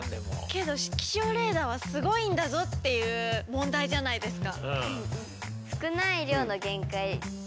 けど気象レーダーはすごいんだぞっていう問題じゃないですか。